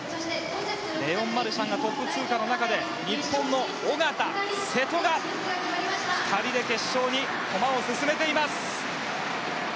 レオン・マルシャンがトップ通過の中で日本の小方、瀬戸が２人で決勝に駒を進めています。